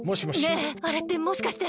ねえあれってもしかして。